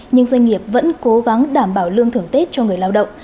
nhưng doanh nghiệp vẫn cố gắng đảm bảo lương thưởng tết cho người lao động